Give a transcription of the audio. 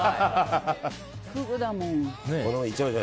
フグだもん。